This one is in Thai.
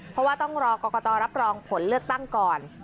เพราะว่าต้องรอกรกตรับรองผลเลือกตั้งก่อน